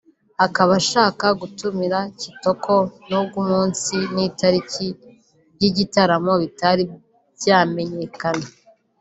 akaba ashaka gutumira Kitoko n’ubwo umunsi n’itariki by’igitaramo bitari byamenyekana